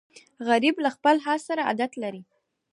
غریب له خپل حال سره عادت لري